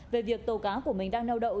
về việc tàu cá của mình đang nêu đậu